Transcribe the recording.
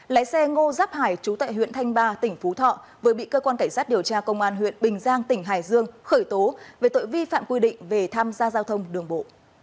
lái xe ngô rắp hải chú tại huyện thanh ba tỉnh phú thọ vừa bị cơ quan cảnh sát điều tra công an huyện bình giang tỉnh hải dương khởi tố về tội vi phạm quy định về tham gia giao thông đường bộ